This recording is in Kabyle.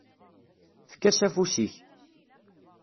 Efk-as afus-ik.